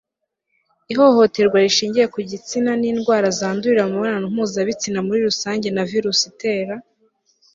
y ihohoterwa rishingiye ku gitsina n indwara zandurira mu mibonano mpuzabitsina muri rusange na virusi itera